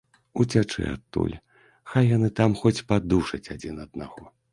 Уцячы адтуль, хай яны там хоць падушаць адзін аднаго.